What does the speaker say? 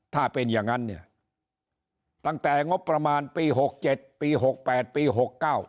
ถ้าเป็นอย่างนั้นเนี่ยตั้งแต่งบประมาณปีหกเจ็ดปีหกแปดปีหกเก้า